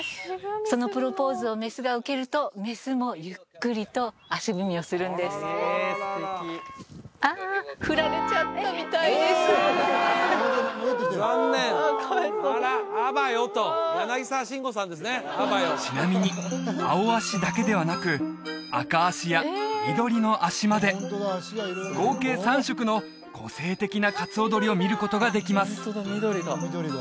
そのプロポーズをメスが受けるとメスもゆっくりと足踏みをするんです柳沢慎吾さんですねあばよちなみにアオアシだけではなくアカアシや緑の足まで合計３色の個性的なカツオドリを見ることができます